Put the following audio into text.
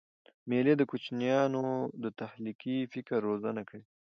مېلې د کوچنيانو د تخلیقي فکر روزنه کوي.